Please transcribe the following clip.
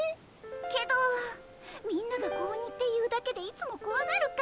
けどみんなが子鬼っていうだけでいつもこわがるから。